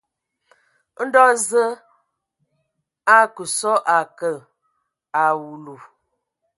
Ndo Zəə a akə sɔ a a ngakǝ a awulu.